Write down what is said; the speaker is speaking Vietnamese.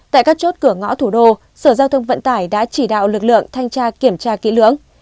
tại các chốt cửa ngõ thủ đô sở giao thông vận tải đã chỉ đạo lực lượng thanh tra kiểm tra kỹ lưỡng